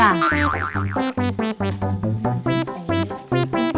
นายยังไงเร็ว